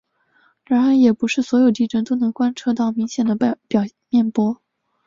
然而也不是所有地震都能观测到明显的表面波。